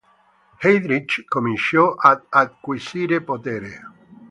Heydrich cominciò ad acquisire potere.